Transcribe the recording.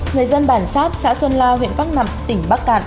người dân bản sáp xã xuân la huyện pháp nặng tỉnh bắc